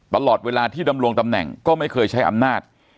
ตลอดเวลาที่ดำรงตำแหน่งก็ไม่เคยใช้อำนาจ